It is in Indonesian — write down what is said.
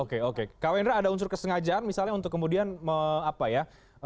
oke oke kak wendra ada unsur kesengajaan misalnya untuk kemudian apa ya